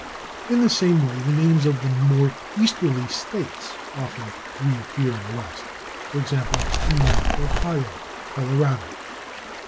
In the same way the names of the more easterly states often reappear in the west, /e. g./, in /Mount Ohio/, Colo.